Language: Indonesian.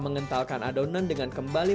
mengentalkan adonan dengan kembali